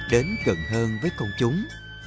đến gần hơn với công chúng